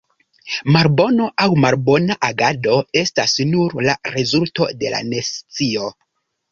Malbono aŭ malbona agado estas nur la rezulto de la nescio.